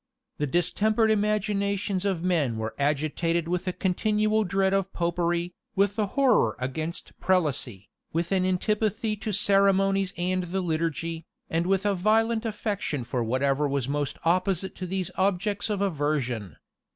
The distempered imaginations of men were agitated with a continual dread of Popery, with a horror against prelacy, with an antipathy to ceremonies and the liturgy, and with a violent affection for whatever was most opposite to these objects of aversion.